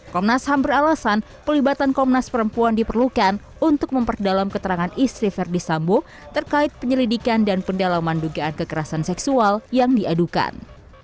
komnas ham beralasan pelibatan komnas perempuan diperlukan untuk memperdalam keterangan istri verdi sambo terkait penyelidikan dan pendalaman dugaan kekerasan seksual yang diadukan